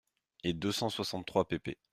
et deux cent soixante-trois pp.